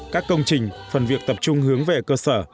các công trình phần việc tập trung hướng về cơ sở